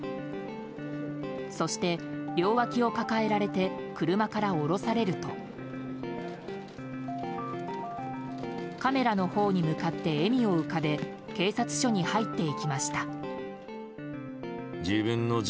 そして両わきを抱えられて車から降ろされるとカメラのほうに向かって笑みを浮かべ警察署に入っていきました。